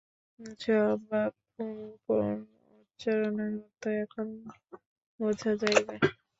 জপ বা পুনঃপুন উচ্চারণের অর্থ এখন বুঝা যাইবে।